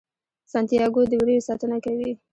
سانتیاګو د وریو ساتنه کوي.